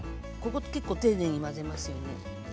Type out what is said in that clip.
ここ結構丁寧に混ぜますよね。